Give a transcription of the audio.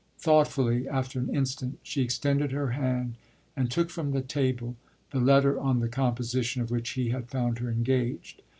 Thoughtfully, after an instant, she extended her hand and took from the table the letter on the composition of which he had found her engaged.